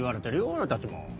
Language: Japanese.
俺たちも。